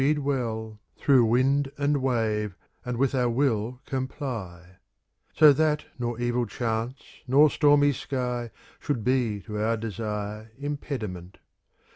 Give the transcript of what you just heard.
»3 CANZONIERE Through wind and wave, and with our will comply; So that nor evil chance nor stormy sky ° Should be to our desire impediment.